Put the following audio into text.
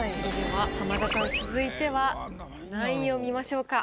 浜田さん続いては何位を見ましょうか？